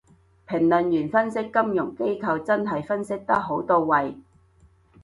評論員分析金融機構真係分析得好到位